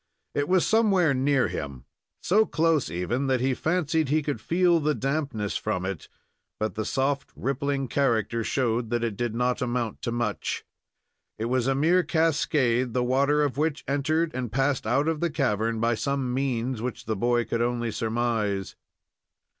It was somewhere near him so close, even, that he fancied he could feel the dampness from it, but the soft, rippling character showed that it did not amount to much. It was a mere cascade, the water of which entered and passed out the cavern by some means which the boy could only surmise.